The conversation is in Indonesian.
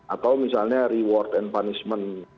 atau misalnya reward and punishment